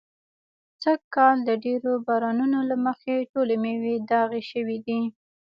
سږ کال د ډېرو بارانو نو له مخې ټولې مېوې داغي شوي دي.